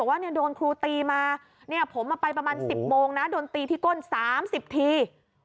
อันนี้ผมมาไปประมาณ๑๐โมงน่ะโดนตีที่ก้น๓๐ที